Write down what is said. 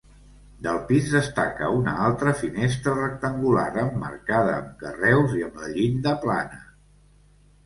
Del pis, destaca una altra finestra rectangular emmarcada amb carreus i amb la llinda plana.